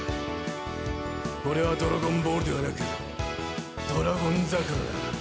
これはドラゴンボールではなく『ドラゴン桜』だ。